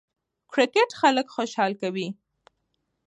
کرکټ خلک خوشحاله کوي.